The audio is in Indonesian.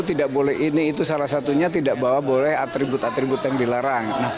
tidak boleh ini itu salah satunya tidak bawa boleh atribut atribut yang dilarang